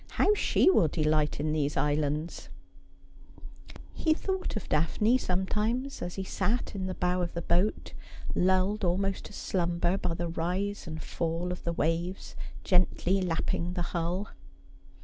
How she will delight in these islands !' He thought of Daphne sometimes, as he sat in the bow of the boat, lulled almost to slumber by the rise and fall of the waves gently lapping the hull.